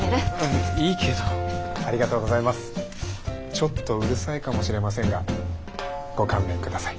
ちょっとうるさいかもしれませんがご勘弁下さい。